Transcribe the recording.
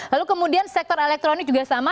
lalu kemudian sektor elektronik juga sama